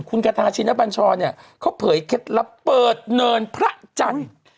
คุณคาธาชินปัญช่อนี่เขาเผยเข็ดละเปิดเนินพระจันทร์